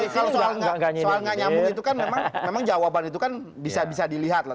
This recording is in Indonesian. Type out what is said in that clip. soal gak nyambung itu kan memang jawaban itu kan bisa bisa dilihat lah